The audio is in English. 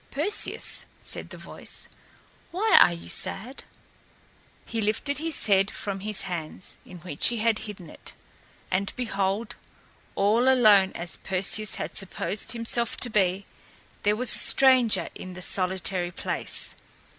"Perseus," said the voice, "why are you sad?" He lifted his head from his hands, in which he had hidden it, and behold! all alone as Perseus had supposed himself to be, there was a stranger in the solitary place.